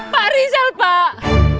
pak rizal pak